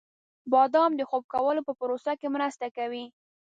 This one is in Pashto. • بادام د خوب کولو په پروسه کې مرسته کوي.